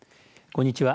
こんにちは。